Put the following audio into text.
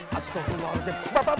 la ilaha illallah wa'alaikumsalam